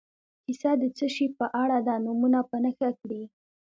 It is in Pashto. کیسه د څه شي په اړه ده نومونه په نښه کړي.